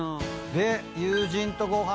友人とご飯。